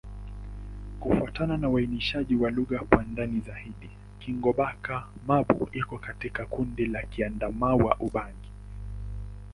Kufuatana na uainishaji wa lugha kwa ndani zaidi, Kingbaka-Ma'bo iko katika kundi la Kiadamawa-Ubangi.